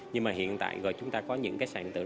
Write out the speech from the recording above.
nhưng mà hiện tại chúng ta có những sản tượng